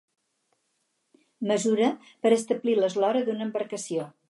Mesura per establir l'eslora d'una embarcació.